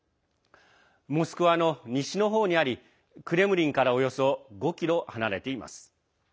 モスクワの西の方にありクレムリンからおよそ５ｋｍ離れています。